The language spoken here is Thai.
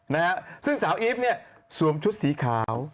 นะฮะซึ่งสาวอีฟเนี่ยสวมชุดสีขาว